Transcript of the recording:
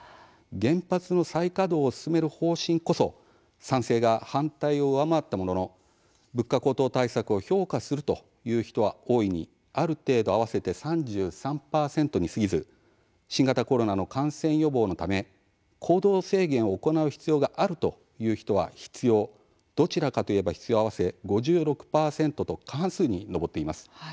原発の再稼働を進める方針こそ賛成が反対を上回ったものの物価高騰対策を評価するという人は、大いに、ある程度合わせて３３％にすぎず新型コロナの感染予防のため行動制限を行う必要があるという人は、必要どちらかといえば必要、合わせ５６％と過半数に上っています。